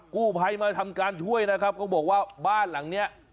กู้ภัยมาทำการช่วยนะครับเขาบอกว่าบ้านหลังเนี้ย